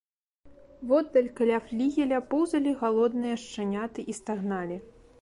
Воддаль, каля флігеля, поўзалі галодныя шчаняты і стагналі.